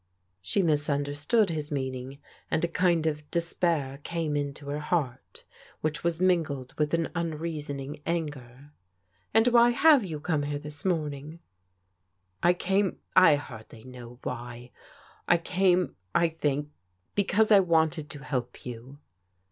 She misunderstood his meaning, and a kind of despair came into her heart which was mingled with an unrea soning anger. And why have you come here this moTtvm^l 250 PBODIOAL DAUGHTEBS " I came — I hardly know why. I came, I think, be cause I wanted to help you."